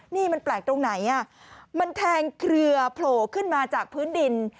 นี่มันแปลกตรงไหนมันแทงเครือโผล่ขึ้นมาจากพื้นดิน